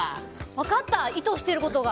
分かった、意図してることが。